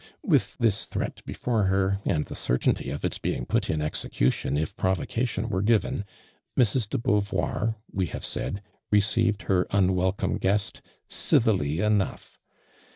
With this threat before her, and the certainty of its being put in execution if provocation were given, Mrs. de Beauvoii , we have said, leceived her unwelcome guest civilly enough.